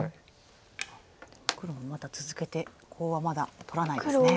黒もまだ続けてコウはまだ取らないですね。